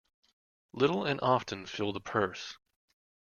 Little and often fill the purse.